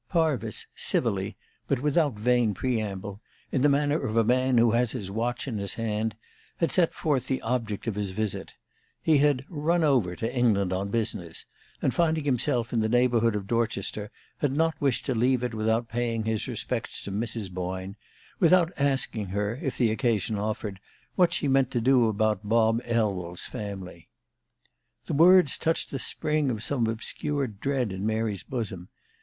Parvis, civilly, but without vain preamble, in the manner of a man who has his watch in his hand, had set forth the object of his visit. He had "run over" to England on business, and finding himself in the neighborhood of Dorchester, had not wished to leave it without paying his respects to Mrs. Boyne; without asking her, if the occasion offered, what she meant to do about Bob Elwell's family. The words touched the spring of some obscure dread in Mary's bosom.